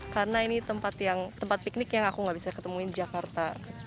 karena ini tempat yang tempat piknik yang aku gak bisa ketemuin di jakarta